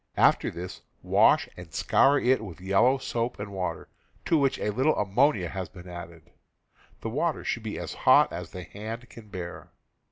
After this, wash and scour it with yellow soap and water, to which a little ammonia has been added (the water should be as hot as the hand can bear).